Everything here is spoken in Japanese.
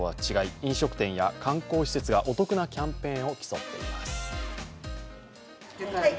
飲食店や観光施設がお得なキャンペーンを競っています。